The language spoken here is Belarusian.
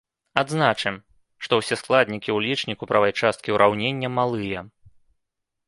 Адзначым, што ўсе складнікі ў лічніку правай часткі ўраўнення малыя.